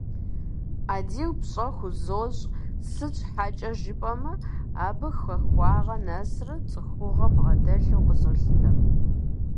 Адил пщӀэ хузощӀ, сыт щхьэкӀэ жыпӀэмэ, абы хахуагъэ нэсрэ, цӏыхугъэрэ бгъэдэлъу къызолъытэ.